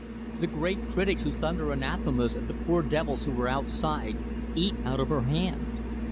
The great critics who thunder anathemas at the poor devils who are outside, eat out of her hand.